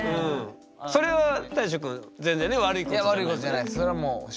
それは大昇君全然ね悪いことじゃない。